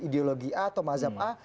ideologi a atau mazhab a